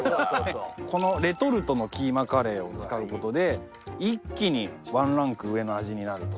このレトルトのキーマカレーを使う事で一気にワンランク上の味になる。